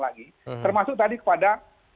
lagi termasuk tadi kepada